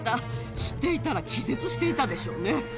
知っていたら気絶していたでしょうね。